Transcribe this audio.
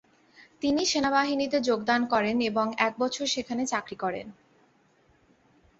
তিনি সেনাবাহিনীতে যোগদান করেন এবং এক বছর সেখানে চাকরি করেন।